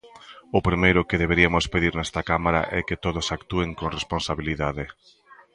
O primeiro que deberiamos pedir nesta Cámara é que todos actúen con responsabilidade.